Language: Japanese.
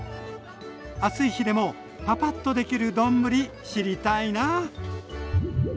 暑い日でもパパッとできる丼知りたいな。